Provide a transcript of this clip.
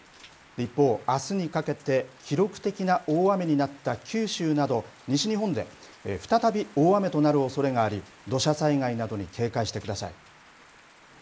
一方、あすにかけて記録的な大雨になった九州など、西日本で再び、大雨となるおそれがあり、土砂災害などに警戒してください。